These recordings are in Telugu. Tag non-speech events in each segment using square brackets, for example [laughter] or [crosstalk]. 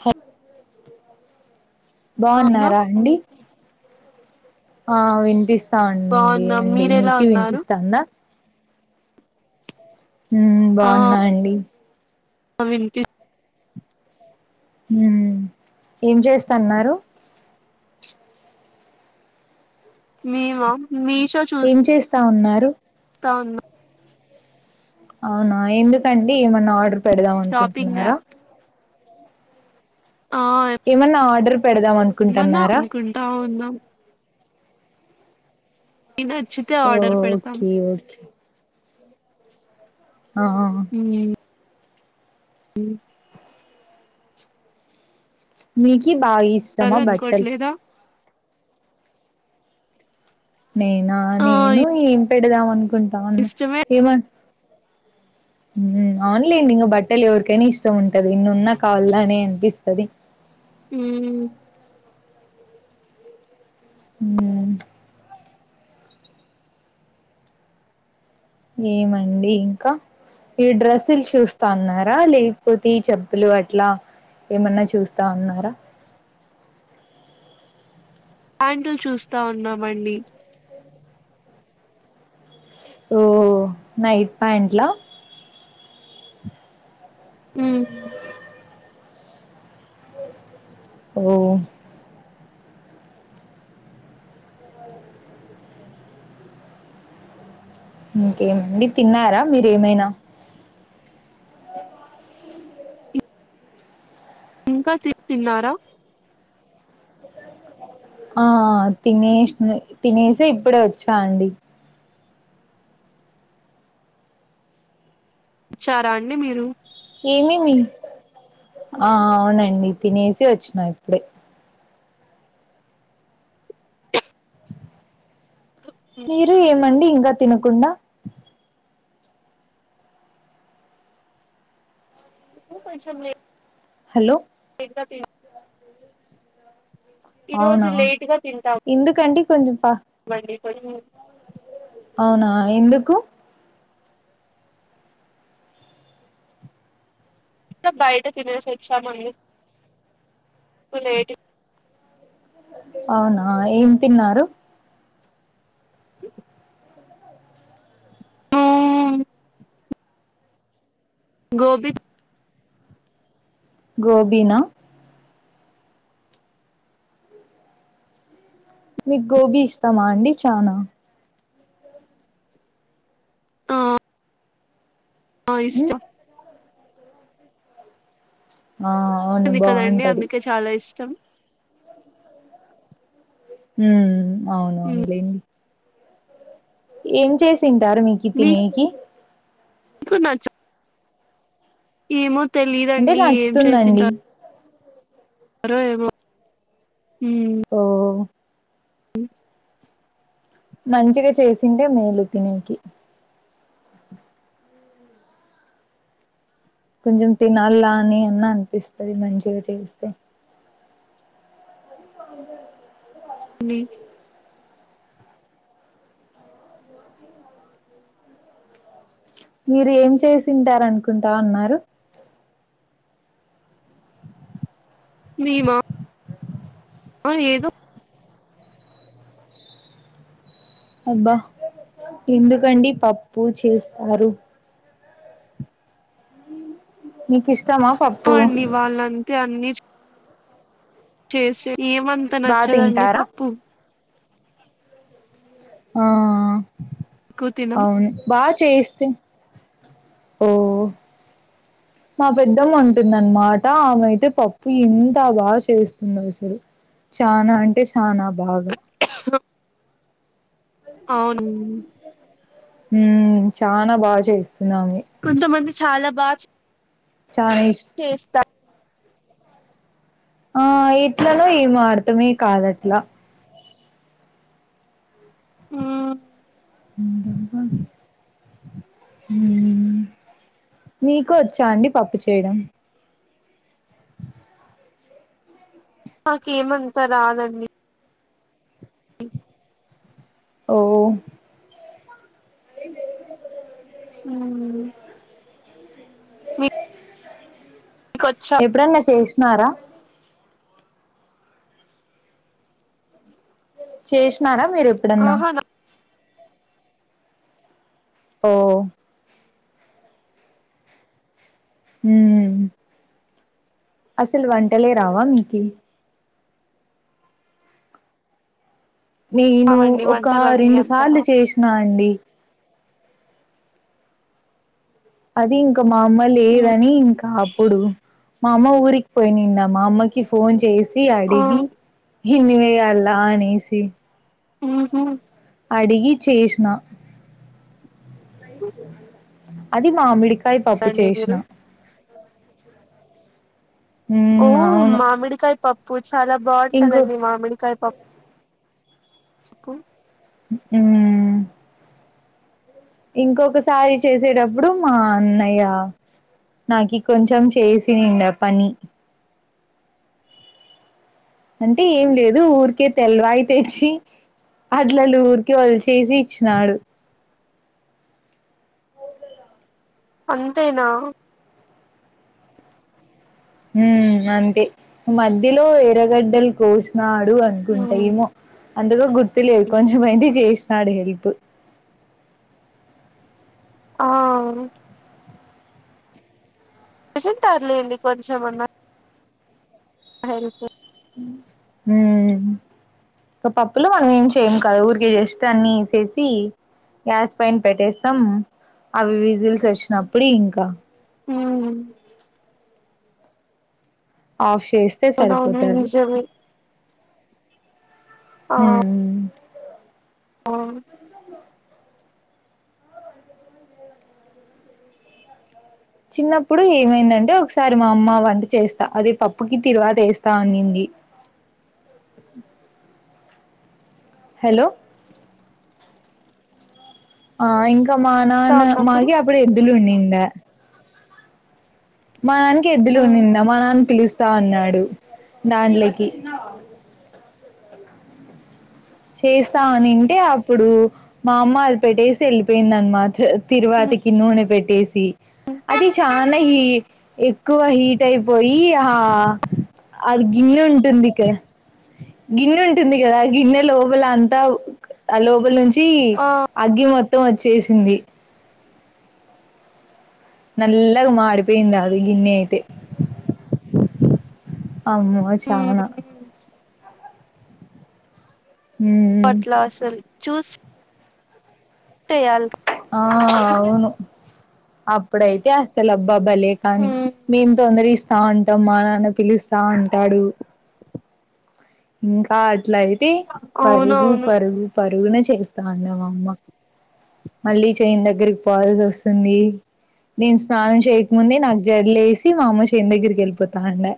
హ అవునా బావున్నారా అండి ఆ వినిపిస్తాంది బాగున్నాం అండి మీరెలా మీకే ఉన్నారు వినిపిస్తాందా ఉమ్ బాగున్నా అండి ఆ వినిపి హుమ్ ఏం చేస్త అన్నారు మేమ మీషో ఏం చేస్తా ఉన్నారు త్తవున్ అవునా ఎందుకండి ఏమన్నా ఆర్డర్ పెడదాం షాపింగ్ అనుకుంటున్నారా యాప్ ఆ ఏమన్నా ఆర్డర్ పెడదాం అన్ ఏమన్నా అనుకుంటా ఉన్నా నచ్చితే ఓ ఆర్డర్ పెడతాం ఓకే ఓకే ఆ ఆ ఉ ఉమ్ మీకి బాయిస్ తల కొట్లేదా నేనా ఆ నేను ఏం పెడదాం అనుకుంటా వున్న ఇష్టమే ఏమ ఉమ్ అవునులేండి ఇంక బట్టలు ఎవరికైనా ఇష్టం ఉంటది ఎన్నున్నా కావల్లా అనే అనిపిస్తది ఉహు హ్మ్ ఏమండి ఇంకా ఈ డ్రస్సులు చూస్తాన్నారా లేకపోతే చెప్పులు అట్లా ఏమన్నా చూస్తా ఉన్నారా ప్యాంట్లు చూస్తా ఉన్నామండి ఓ నైట్ ప్యాంట్లా మ్మ్. ఓ ఇంకేమండి తిన్నారా మీరేమైనా ఇంకా తి తిన్నారా ఆ తినేసి తినేసే ఇప్పుడే వచ్చా అండి చారా అండి మీరు ఏమేమి ఆ అవునండి తినేసి వచ్చినా ఇప్పుడే మీరు ఏమండి ఇంకా తినకుండా ఉ కొంచెం లే హలో ఇంకా తీన్ అవునా ఎందుకంటీ కొంచం పా మాండీ కోన్ అవునా ఎందుకు టో బయట తినేసి వచ్చామంది లేటు అవునా ఏం తిన్నారు గోబి గోబిన మీక్ గోబీ ఇస్తామా అండి చానా ఆ ఇష్టం ఆ అవును ఉంది కదండి బాగుంటది అందుకే చాలా ఇష్టం ఊ అవునవున్ మ్ లేండి ఏం చేసింటారు మీకి తినీకి కు నచ్చ ఏమో అంటే తెలిదండి ఏం నచ్చుతుందండి చేసింటార్ ఆరో ఏమో హూ సో ఉ మంచిగా చేసింటే మేలు తినేకి కొంచెం తినలా అని అన్నా అనిపిస్తది మంచిగా చేస్తే [inaudible] మీకి మీరు ఏం చేసింటారనుకుంటా అన్నారు మీమా ఆ ఏదో అబ్బా ఎందుకండి పప్పు చేస్తారు నీకిష్టమా ఆ అండి వాళ్ళంతే అన్ని చేస్తే ఏమంతా బా నచ్చదండి తింటారా పప్పు ఆ ఎక్కువ తినం అవును బా చేయిస్తే ఓ మా పెద్దం వంటుందన్మాట ఆమె అయితే పప్పు ఇంత బా చేస్తుందో అసలు చానా అంటే చానా బాగా అవును హూ చానా బా చేస్తుందామే కొంతమంది చాలా బా చే చాయిస్ చేస్తా ఆ ఇట్లనో ఏమో అర్తమే కాదట్లా ఆ ఇన్ కెన్ని బాసెస్ ఉమ్ మీకు వచ్చా అండి పప్పు చేయడం. నాకేమంతా రాదండి. ఓ. ఏం చేయటానికి ఉమ్. కోచ్చ. ఎప్పుడాన్నా చేసినారా. చేసినారా మీరు. ఎప్పుడన్నా ఆహానా. ఓ. ఉమ్. అసల్ వంటలే రావా మీకి. నేను రావండి ఒక వంటలన్నీ రెండు సార్లు అంతగా చేసినా అండి. అది ఇంకా మా అమ్మ మ్ లేదని ఇంకా అప్పుడు. మా అమ్మ ఊరికి పోయినిండే మా అమ్మకి ఫోన్ చేసి ఆ అడిగి. ఏమేం వేయాలి అనేసి. ఉహూ. అడిగి చేసినా. అది మామిడికాయ పప్పు రండి చేషిన. మీరు ఓ ఉమ్ అవును. మామిడికాయ పప్పు చాలా ఇంకో బాగుంటదండి మామిడికాయ పప్పు. అప్. ఉమ్. ఇంకొకసారి చేసేటప్పుడు మా అన్నయ్య. నాకి కొంచెం చేసినుండే ఆ పని. అంటే ఏం లేదు ఊరికే తెల్లవాయి తెచ్చి. అట్లలుఊరికే వాడు చేసి ఇచ్చినాడు. అంతేనా. ఉమ్ అంతే మధ్యలో ఎరగడ్డలు కోసినాడు మ్మ్ అనుకుంటాయేమో. అంతాగా గుర్తు లేదు కొంచెమైతే చేసినాడు హెల్ప్. ఆహ్. చేసుంటాడు లేండి కొంచెంమన్నా. హెల్ప్. ఉమ్. ఒక పప్పులో మనం ఏం చేయ్యము కాదు ఊరికే జస్ట్ అన్ని వేసేసి. గ్యాస్ పైన పెట్టేస్తాం అవి విజిల్స్ వచ్చినప్పుడు ఇంకా. మ్మ్ ఆఫ్ చేస్తే అవునవును సరిపోతది నిజమే ఉమ్. అవును. చిన్నప్పుడు ఏమైందంటే ఒకసారి మా అమ్మ వంట చేస్తా అదే పప్పుకి తిరువారేస్తా అనింది. హలో. ఆహ్ ఇంకా మా ఇస్తా నాన్న ఉన్నప్పుడు మాకి అప్పుడు ఎద్దులు ఉనిండే. మా నాన్నకి మ్మ్ ఎద్దులునిండే మా నాన్న పిలుస్తా అన్నాడు దాంట్లోకి. చేస్తామనింటే అప్పుడు. మా అమ్మ అది పెట్టేసి వెళ్ళిపోయిందనమాట తిరువాతికి నూనె పెట్టేసి. మ్మ్ అది చానా ఈ ఎక్కువ హీట్ అయిపోయి ఆ అది గిన్నె ఉంటుంది ఇక గిన్నె ఉంటుంది కదా గిన్నె లోపల అంతా ఆ లోపల నుంచి ఆ అగ్గి మొత్తం వచ్చేసింది నల్లగా మాడిపోయింది అది గిన్నె అయితే అమ్మో ఆ మ్మ్ చానా మ్మ్ ఉమ్ అట్లా అసలు చూస్ ట్టే అల్ ఆ అవును అప్పుడైతే అస్ అసలు అబ్బాబ్బలే కానీ మ్మ్ మేము తొందర ఇస్తా ఉంటాం మా నాన్న పిలుస్తా వుంటాడు. ఇంకా అట్లయితే పరుగు, అవునవును పరుగు, పరుగునే చేస్తా ఉన్నా నా అమ్మ మళ్ళీ చేన్ దగ్గరికి పోవాల్సి వస్తుంది నేను స్నానం చేయకముందే నాకు జడలు యేసి మా అమ్మ చెన్ దగ్గరికి వెళ్ళిపోతా అండే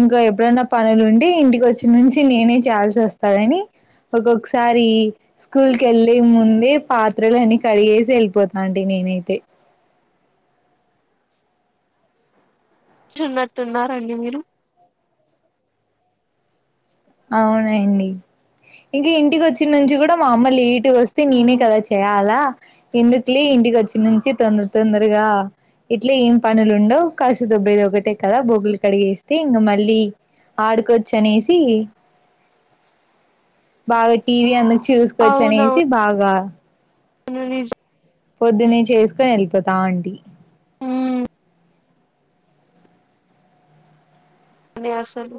ఇంకా ఎప్పుడైన్నా పనులు ఉంటే ఇంటికి వచ్చి నుంచి నేనే చేయాల్సి వస్తాదని ఒక్కొక్కసారి స్కూల్ కేళ్ళే ముందే పాత్రలు అన్నీ కడిగేసి వెళ్ళిపోతా అంటి నేనైతే చున్నట్టు ఉన్నారండి మీరు అవునండి ఇంకా ఇంటికి వచ్చిన నుంచి కూడా మా అమ్మ లిట్ ఇంటికి వస్తే నేనే మ్మ్ కదా చేయాలా ఎందుకిలే ఇంటికి వచ్చి నుంచి తొందర తొందరగా ఇట్లే ఏం పనులు ఉండవు. కాసు దొబ్బేది ఒకటే కదా బోగులు కడిగేస్తే ఇంగ మళ్ళీ ఆడుకోవచ్చు అనేసి బాగా టీవీ అందుకు చూసుకోవచ్చు అనేసి అవునవును బాగా [unintelligible] పొద్దున్న చేసుకొని వెళ్ళిపోతా అంటి ఉమ్ మీ అస్సలు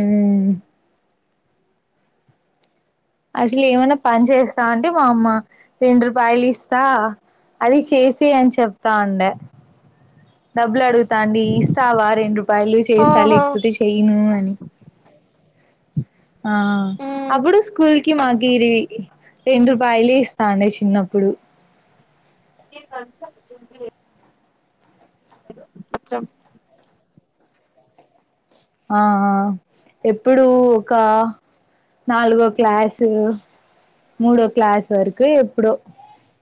ఉమ్ అసలు ఏమైనా పని చేస్తా అంటే మా అమ్మ రెండు రూపాయలు ఇస్తా అది చేసేయే అని చెప్తండే డబ్బులు అడుగుతా అండి ఇస్తావా రెండు రూపాయలు చేస్తా ఆహా లేకపోతే చెయను అని ఆహ మ్మ్ అప్పుడు స్కూల్కి మాకిరివి రెండు రూపాయలు ఇస్తా అండి షిన్నప్పుడు దిన్ దంత గుర్తులే అచ్చం ఆ ఆ ఎప్పుడు ఒక నాలుగో క్లాస్ మూడో క్లాస్ వరకు ఎప్పుడో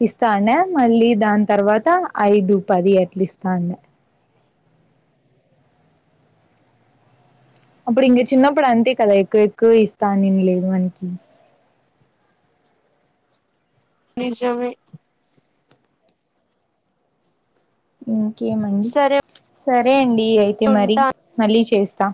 ఇస్తాండే మళ్ళీ దాని తర్వాత ఐదు పది అట్లా ఇస్తాండే అప్పుడు ఇంగ చిన్నప్పుడు అంతే కదా ఎక్కువ ఎక్కువ ఇస్తా నేను లేదు ఆన్కి నిజమే ఇంకేమండి సరే సరే అండి అయితే మరి ఉంటా మళ్ళీ చేస్తా